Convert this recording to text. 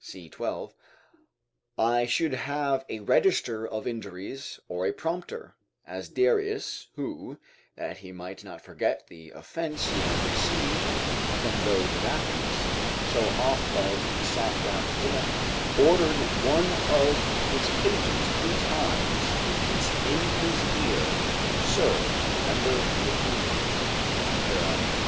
c. 12.] I should have a register of injuries, or a prompter, as Darius, who, that he might not forget the offence he had received from those of Athens, so oft as he sat down to dinner, ordered one of his pages three times to repeat in his ear, "Sir, remember the Athenians"; [Herod.